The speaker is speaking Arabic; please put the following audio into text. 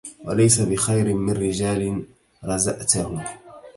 وليس بخير من رجال رزئتهم